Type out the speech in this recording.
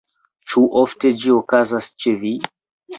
Ĉu ofte ĝi okazas ĉe vi?